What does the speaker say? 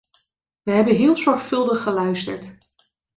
Wij hebben heel zorgvuldig geluisterd.